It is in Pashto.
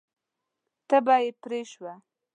تبه یې پرې شوه.